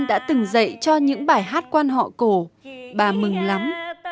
đã từng dạy cho những bài hát quan họ cổ bà mừng lắm